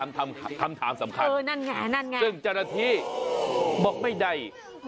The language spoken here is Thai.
นั่นแหละคือคำถามสำคัญซึ่งเจ้าหน้าที่บอกไม่ได้